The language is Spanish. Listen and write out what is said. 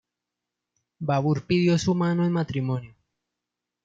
Babur pidió su mano en matrimonio.